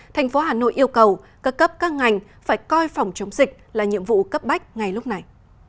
thành phố hà nội yêu cầu các cấp các ngành phải coi phòng chống dịch là nhiệm vụ cấp bách ngay lúc này